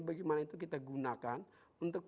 bagaimana itu kita gunakan untuk pembangunan ict indonesia